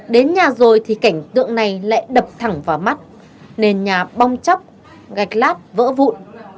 đến nhà rồi thì cảnh tượng này lại đập thẳng vào mắt nền nhà bong chóc gạch lát vỡ vụn